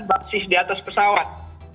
baksih di atas pesawat